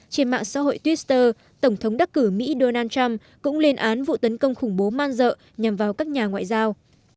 trên mạng xã hội twitter tổng thống đắc cử mỹ donald trump cũng lên án vụ tấn công khủng bố man dợ nhằm vào các nhà ngoại giao